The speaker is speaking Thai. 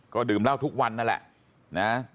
ก็ดื่มเหล้าทุกวันนั่นแหละนะ